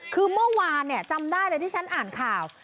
คือเมื่อวานจำได้เลยที่ฉันอ่านข่าว